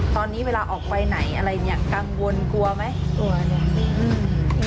ตอนนี้เวลาออกไปไหนอะไรเนี่ยกังวลกลัวไหมกลัวเนี่ย